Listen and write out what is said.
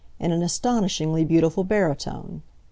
in an astonishingly beautiful barytone.